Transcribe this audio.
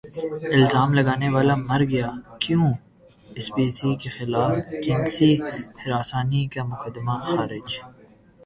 الزام لگانے والا مر گیا کیون اسپیسی کے خلاف جنسی ہراسانی کا مقدمہ خارج